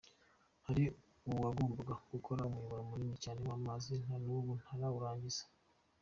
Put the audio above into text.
Hari uwagombaga gukora umuyoboro munini cyane w’amazi, na nubu ntarawurangiza.